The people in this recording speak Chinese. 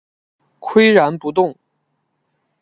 岿然不动